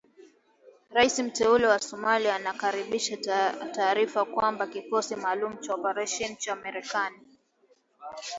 Rais mteule wa Somalia anakaribisha taarifa kwamba kikosi maalum cha operesheni cha Marekani